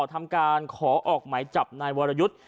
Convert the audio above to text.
ทำการขอออกหมายจับนายวรยุทธ์